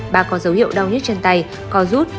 bà có dấu hiệu đau nhất chân tay có rút